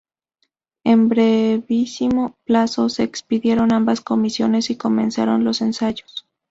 En brevísimo plazo se expidieron ambas comisiones y comenzaron los ensayos.